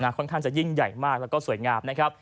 ค่อนข้างจะยิ่งใหญ่มากแล้วก็สวยงามนะครับ